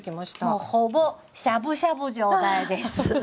もうほぼしゃぶしゃぶ状態です。